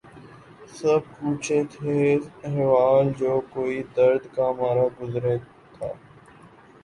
سب پوچھیں تھے احوال جو کوئی درد کا مارا گزرے تھا